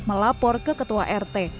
melapor ke ketua rt